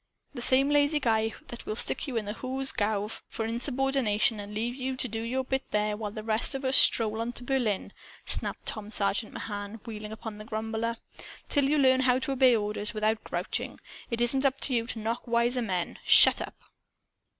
"The same lazy guy that will stick you into the hoosgow for insubordination and leave you to do your bit there while the rest of us stroll on to Berlin!" snapped Top Sergeant Mahan, wheeling upon the grumbler. "Till you learn how to obey orders without grouching, it isn't up to you to knock wiser men. Shut up!"